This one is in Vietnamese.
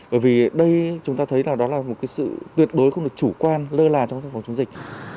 bởi vì đây chúng ta thấy là đó là một cái sự tuyệt đối không được chủ quan lơ là trong phòng chống dịch